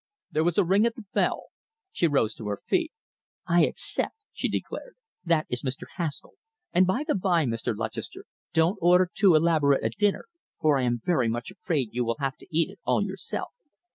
There was a ring at the bell. She rose to her feet. "I accept," she declared. "That is Mr. Haskall. And, by the bye, Mr. Lutchester, don't order too elaborate a dinner, for I am very much afraid you will have to eat it all yourself.